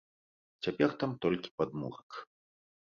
Цяпер там толькі падмурак.